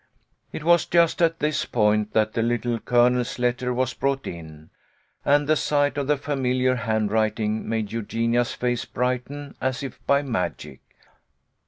It was just at this point that the Little Colonel's letter was brought in, and the sight of the familiar handwriting made Eugenia's face brighten as if by magic.